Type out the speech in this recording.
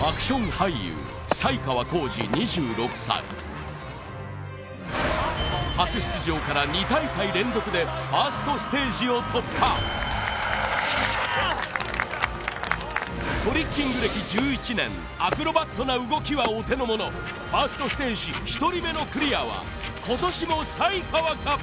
すごい初出場から２大会連続でファーストステージを突破トリッキング歴１１年アクロバットな動きはお手の物ファーストステージ１人目のクリアは今年も才川か